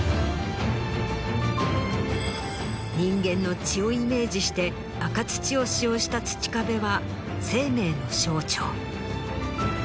人間の血をイメージして赤土を使用した土壁は生命の象徴。